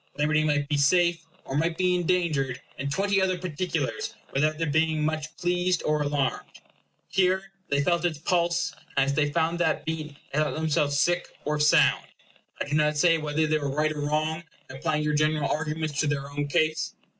Liberty might be safe, or might be endangered, in twenty other particulars, without their being much pleased or alarmed. Here they felt its pulse; and as they found that beat, they thought themselves sick or sound. I do not say whether they were right or wrong in applying your general arguments to their own case.